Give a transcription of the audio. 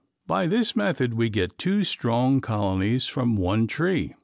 By this method you get two strong colonies from one tree.